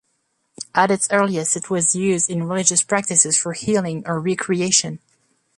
At its earliest, it was used in religious practices for healing or recreation.